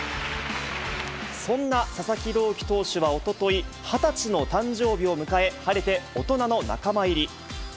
そんな佐々木朗希投手はおととい、２０歳の誕生日を迎え、晴れて大人の仲間入り。